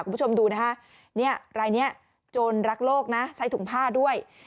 คุณผู้ชมดูนะฮะรายนี้โจรรักโลกนะใช้ถุงผ้าด้วย